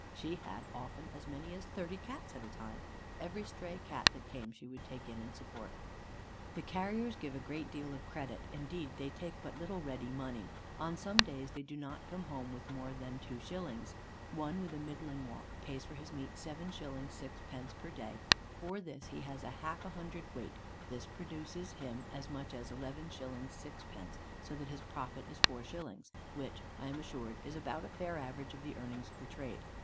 She had often as many as thirty Cats at a time. Every stray Cat that came she would take in and support. "The carriers give a great deal of credit; indeed, they take but little ready money. On some days they do not come home with more than 2_s._ One with a middling walk, pays for his meat 7_s._ 6_d._ per day; for this he has half a hundred weight: this produces him as much as 11_s._ 6_d._, so that his profit is 4_s._, which, I am assured, is about a fair average of the earnings of the trade.